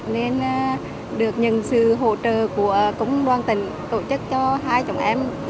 nên được nhận sự hỗ trợ của công đoàn tỉnh tổ chức cho hai chồng em